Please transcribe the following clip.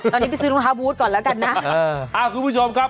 ตอนนี้ไปซื้อรองเท้าบูธก่อนแล้วกันนะเอออ่าคุณผู้ชมครับ